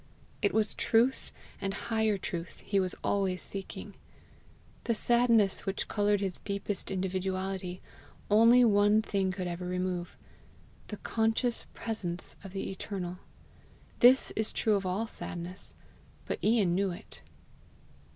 It was truth, and higher truth, he was always seeking. The sadness which coloured his deepest individuality, only one thing could ever remove the conscious presence of the Eternal. This is true of all sadness, but Ian knew it.